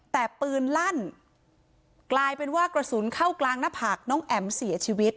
แต่ปืนลั่นกลายเป็นว่ากระสุนเข้ากลางหน้าผากน้องแอ๋มเสียชีวิต